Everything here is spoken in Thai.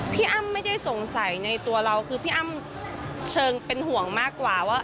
พี่อ้ำไม่ได้สงสัยในตัวเราคือพี่อ้ำเชิงเป็นห่วงมากกว่าว่า